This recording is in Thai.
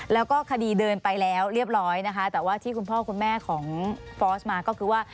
แล้วก็คดีเดินไปแล้วเรียบร้อยนะคะแต่ว่าที่คุณพ่อคุณแม่ของฟอสมาก็คือว่า